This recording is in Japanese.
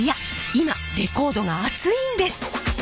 今レコードがアツいんです！